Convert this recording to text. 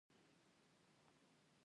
ښه بالر هغه دئ، چي کنټرول ولري.